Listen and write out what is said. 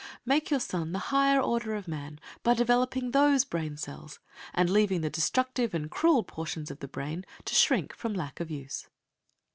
Make your son a higher order of man by developing those brain cells and leaving the destructive and cruel portions of the brain to shrink from lack of use.